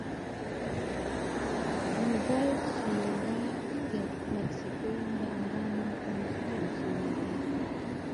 نوګالس سونورا د مکسیکو له ارامو او پرمختللو سیمو ده.